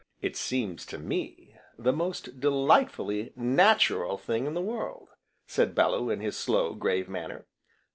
"It seems to me the most delightfully natural thing in the world," said Bellew, in his slow, grave manner.